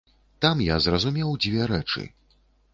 Там я зразумеў дзве рэчы.